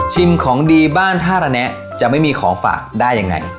ของดีบ้านท่าระแนะจะไม่มีของฝากได้ยังไง